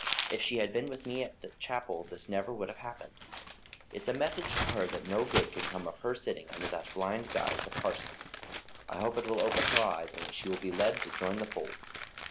"If she had been with me at chapel this never would have happened. It's a message to her that no good can come of her sitting under that blind guide, the parson. I hope it will open her eyes, and that she will be led to join the fold."